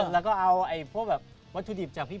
แล้วก็เอาพวกแบบวัตถุดิบจากพี่